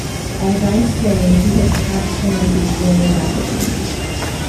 As I say, he had tapped the message very rapidly.